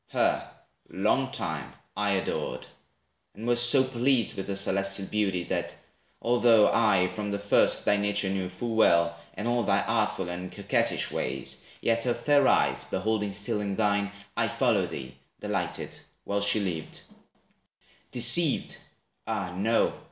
Her, long time, I adored; and was so pleased With her celestial beauty, that, although I from the first thy nature knew full well, And all thy artful and coquettish ways, Yet her fair eyes beholding still in thine, I followed thee, delighted, while she lived; Deceived? Ah, no!